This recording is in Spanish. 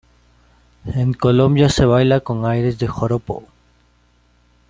En Colombia se baila con aires de joropo.